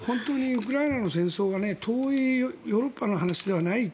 ウクライナの戦争が遠いヨーロッパの話ではない。